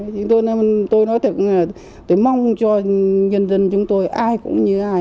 thế nhưng tôi nói thật là tôi mong cho nhân dân chúng tôi ai cũng như ai